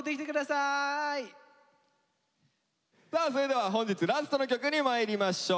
さあそれでは本日ラストの曲にまいりましょう。